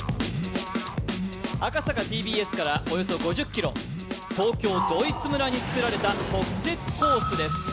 赤坂ＴＢＳからおよそ５０ｋｍ、東京ドイツ村につくられた特設コースです。